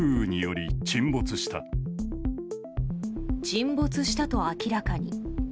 沈没したと明らかに。